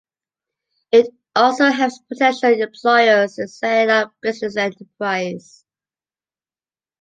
It also helps potential employers in setting up business enterprises.